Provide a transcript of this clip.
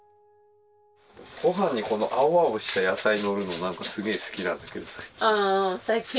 ごはんにこの青々した野菜載るの、なんかすげえ好きなんだけど、最近。